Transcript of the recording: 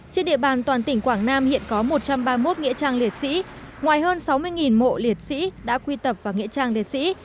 trên địa bàn toàn tỉnh quảng nam hiện có một trăm ba mươi một nghĩa trang liệt sĩ ngoài hơn sáu mươi mộ liệt sĩ đã quy tập vào nghệ trang liệt sĩ